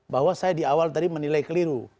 bahwa saya di awal tadi menilai keliru